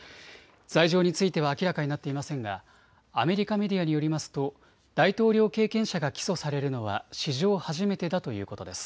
罪状については明らかになっていませんがアメリカメディアによりますと大統領経験者が起訴されるのは史上初めてだということです。